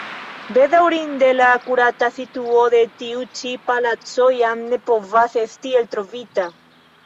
Bedaŭrinde la akurata situo de tiu ĉi palaco jam ne povas esti eltrovita.